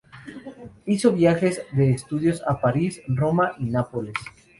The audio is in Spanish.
Hizo viajes de estudios a París, Roma y Nápoles.